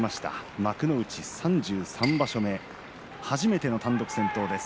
幕内３３場所目初めての単独先頭です